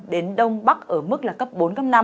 đến đông bắc ở mức là cấp bốn cấp năm